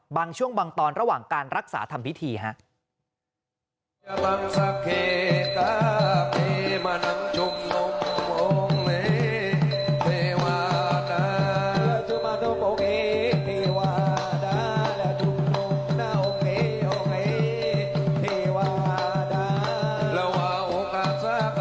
บางช่วงบางตอนระหว่างการรักษาทำพิธีครับ